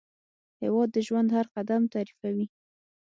هېواد د ژوند هر قدم تعریفوي.